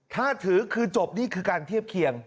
ถ้าถือคือจบนี่คือการเทียบเคียง